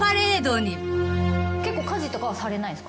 結構家事とかはされないんですか？